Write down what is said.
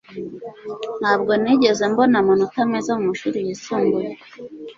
Ntabwo nigeze mbona amanota meza mumashuri yisumbuye